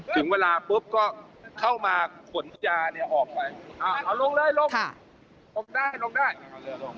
ถึงเวลาปุ๊บก็เข้ามาขนยาเนี่ยออกไปอ่าเอาลงเลยลงอมได้ลงได้ลง